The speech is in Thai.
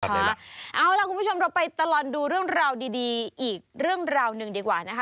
เอาล่ะคุณผู้ชมเราไปตลอดดูเรื่องราวดีอีกเรื่องราวหนึ่งดีกว่านะคะ